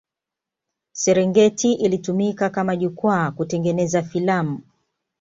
Serengeti ilitumika kama jukwaa kutengeneza filamu